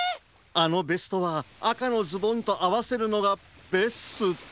あのベストはあかのズボンとあわせるのがベスト。